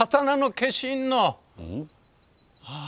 ああ。